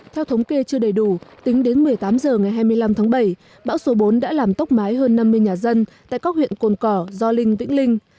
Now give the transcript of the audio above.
theo thống kê chưa đầy đủ tính đến một mươi tám h ngày hai mươi năm tháng bảy bão số bốn đã làm tốc mái hơn năm mươi nhà dân tại các huyện cồn cỏ gio linh vĩnh linh